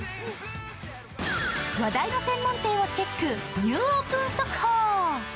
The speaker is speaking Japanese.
話題の専門店をチェック、「ニューオープン速報」！